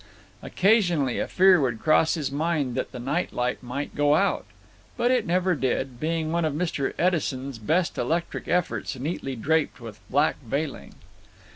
Occasionally a fear would cross his mind that the night light might go out; but it never did, being one of Mr. Edison's best electric efforts neatly draped with black veiling.